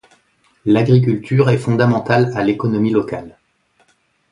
L'agriculture est fondamentale à l'économie locale.